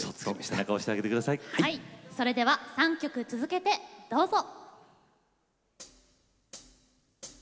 それでは３曲続けてどうぞ。